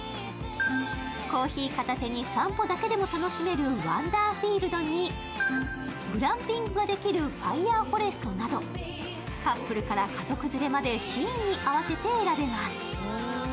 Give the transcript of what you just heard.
コーヒー片手に散歩だけでも楽しめるワンダーフィールドにグランピングができるファイヤーフォレストなど、カップルから家族連れまでシーンに合わせて使えます。